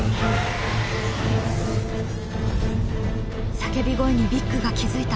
・叫び声にビッグが気付いた。